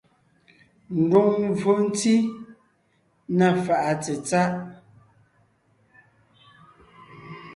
Ndùŋmvfò ntí (na fàʼa tsetsáʼ).